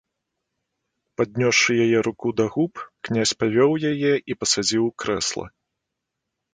Паднёсшы яе руку да губ, князь павёў яе і пасадзіў у крэсла.